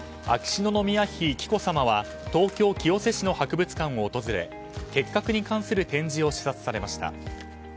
秋篠宮妃の紀子さまは東京・清瀬市の博物館を訪れ結核に関する展示を視察されました。